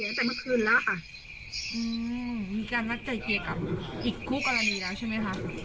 ตั้งแต่เมื่อคืนแล้วค่ะอืมมีการนัดไกลเกลียกับอีกคู่กรณีแล้วใช่ไหมคะ